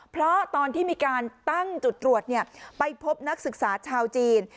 เพราะตอนที่มีการตั้งจุดตรวจไปพบนักศึกษาชาวจีน